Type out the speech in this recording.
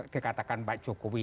dikatakan pak jokowi